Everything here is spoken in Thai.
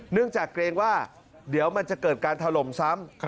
จากเกรงว่าเดี๋ยวมันจะเกิดการถล่มซ้ำ